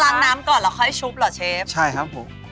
น้ำก่อนแล้วค่อยชุบเหรอเชฟใช่ครับผม